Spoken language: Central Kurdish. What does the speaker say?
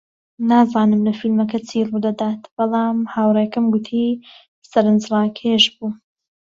نازانم لە فیلمەکە چی ڕوودەدات، بەڵام هاوڕێکەم گوتی سەرنجڕاکێش بوو.